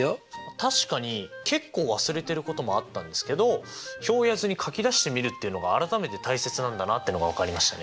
確かに結構忘れてることもあったんですけど表や図に書き出してみるっていうのが改めて大切なんだなってのが分かりましたね。